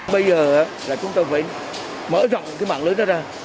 bây giờ là chúng ta phải mở rộng cái mạng lưới đó ra